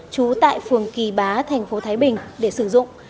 trú tại phường kỳ bá thành phố thái bình để sử dụng